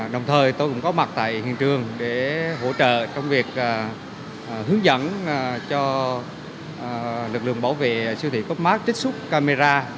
đồng thời tôi cũng có mặt tại hiện trường để hỗ trợ trong việc hướng dẫn cho lực lượng bảo vệ siêu thị cô úc mát trích xúc camera